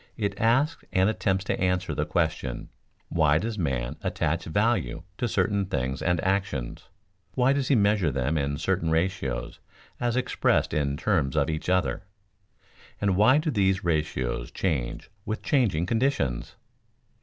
It asks and attempts to answer the question: "Why does man attach value to certain things and actions; why does he measure them in certain ratios as expressed in terms of each other; and why do these ratios change with changing conditions?"